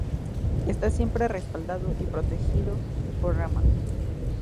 Está siempre respaldado y protegido por Rahman.